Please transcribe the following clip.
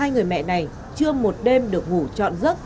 hai người mẹ này chưa một đêm được ngủ trọn giấc